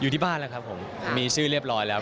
อยู่ที่บ้านครับผมมีชื่อเรียบร้อยแล้ว